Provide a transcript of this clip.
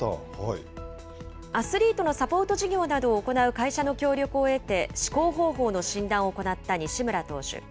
アスリートのサポート事業などを行う会社の協力を得て思考方法の診断を行った西村投手。